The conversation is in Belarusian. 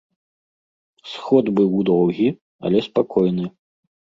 Сход быў доўгі, але спакойны.